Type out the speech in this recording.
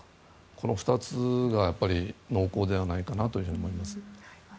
この２つがやっぱり濃厚ではないかと思います。